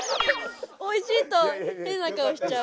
おいしいと変な顔しちゃう。